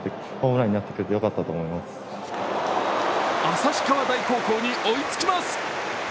旭川大高校に追いつきます。